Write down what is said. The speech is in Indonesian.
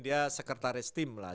dia sekretaris tim lah